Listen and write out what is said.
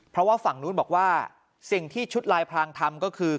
เพราะว่าฝั่งนู้นบอกว่าสิ่งที่ชุดลายพรางทำก็คือ